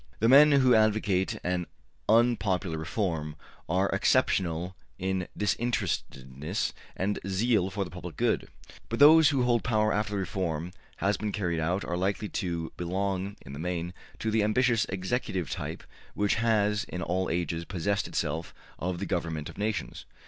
The men who advocate an unpopular reform are exceptional in disinterestedness and zeal for the public good; but those who hold power after the reform has been carried out are likely to belong, in the main, to the ambitious executive type which has in all ages possessed itself of the government of nations.